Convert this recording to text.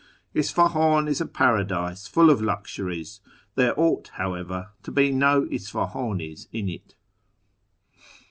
" Isfahan is a paradise full of luxuries ; There ought (however) to be no Isfahani.s in it."